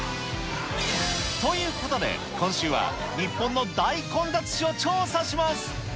ということで、今週は、日本の大混雑史を調査します。